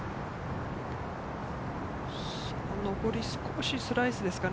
上り、少しスライスですかね。